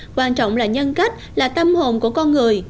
quan trọng là nhân cách là tâm hồn của con người